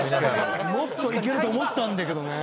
もっといけると思ったんだけどね。